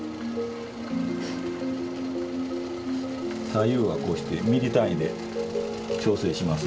左右はこうしてミリ単位で調整します。